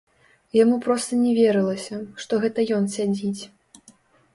Яму проста не верылася, што гэта ён сядзіць.